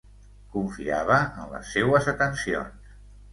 Confiava en les seues atencions.